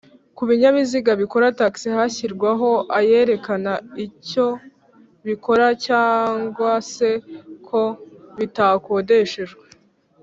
kubinyabiziga bikora taxi hashyirwaho ayerekana icyo bikora cg se ko bitakodeshejwe